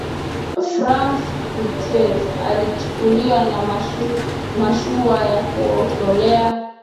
franca prentice alichukuliwa na mashua ya kuokolea